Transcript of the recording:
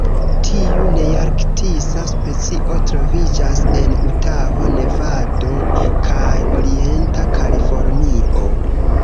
Tiu nearktisa specio troviĝas en Utaho, Nevado kaj orienta Kalifornio.